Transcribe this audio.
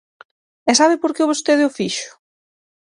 ¿E sabe por que vostede o fixo?